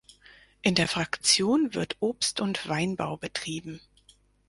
In der Fraktion wird Obst- und Weinbau betrieben.